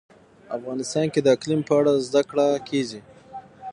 افغانستان کې د اقلیم په اړه زده کړه کېږي.